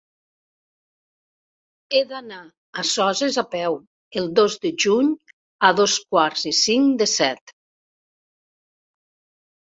He d'anar a Soses a peu el dos de juny a dos quarts i cinc de set.